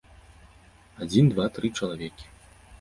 Адзін, два, тры чалавекі.